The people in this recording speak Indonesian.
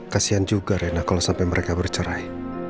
kasian juga rena kalau sampai mereka bercerai